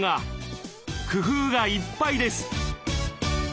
工夫がいっぱいです。